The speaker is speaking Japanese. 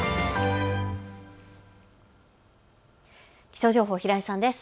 気象情報、平井さんです。